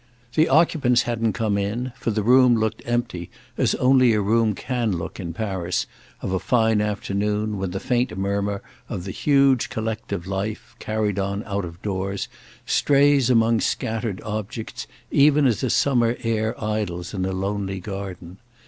The occupants hadn't come in, for the room looked empty as only a room can look in Paris, of a fine afternoon when the faint murmur of the huge collective life, carried on out of doors, strays among scattered objects even as a summer air idles in a lonely garden.